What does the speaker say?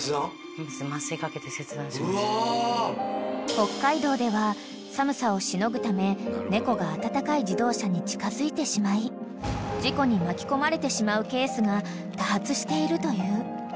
［北海道では寒さをしのぐため猫が温かい自動車に近づいてしまい事故に巻き込まれてしまうケースが多発しているという］